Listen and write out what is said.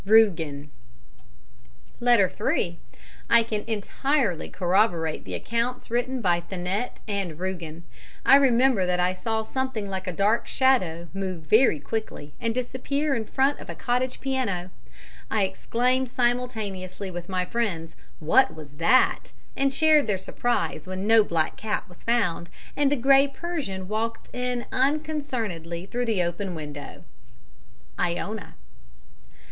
"RÜGEN." Letter 3 I can entirely corroborate the accounts written by "Thanet" and "Rügen." I remember that I saw something like a dark shadow move very quickly and disappear in front of a cottage piano. I exclaimed simultaneously with my friends "What was that?" and shared their surprise when no black cat was found, and the grey Persian walked in unconcernedly through the open window. "IONA."